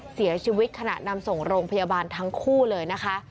เสียชีวิตขณะนำส่งโรงพยาบาลทั้งคู่เลยนะคะ